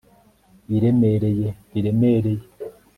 iremereye riremereye